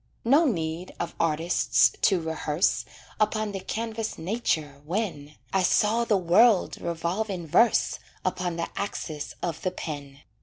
No need of artists to rehearse Upon the canvas nature, when I saw the world revolve in verse Upon the axis of the pen.